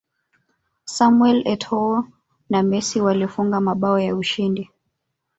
samuel etoo na messi walifunga mabao ya ushindi